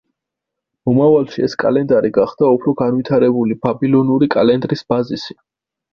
მომავალში ეს კალენდარი გახდა უფრო განვითარებული ბაბილონური კალენდრის ბაზისი.